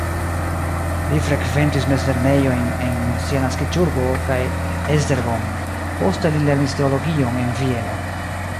Li frekventis mezlernejojn en sia naskiĝurbo kaj Esztergom, poste li lernis teologion en Vieno.